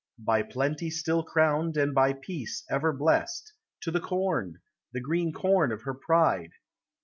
By plenty still crowned, and by peace ever blest, To the corn! the greeo corn of her pride!